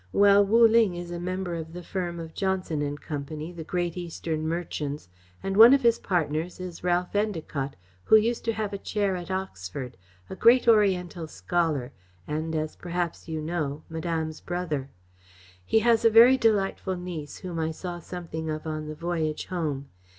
Well, Wu Ling is a member of the firm of Johnson and Company, the great Eastern merchants, and one of his partners is Ralph Endacott, who used to have a Chair at Oxford, a great Oriental scholar, and as you perhaps know Madame's brother. He has a very delightful niece whom I saw something of on the voyage home.